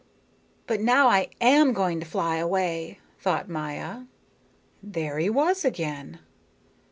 "But now I am going to fly away," thought Maya. There he was again.